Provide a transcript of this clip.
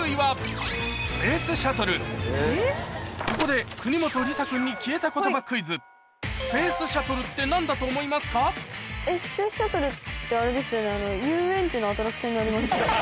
ここで国本梨紗君にスペースシャトルってあれですよね？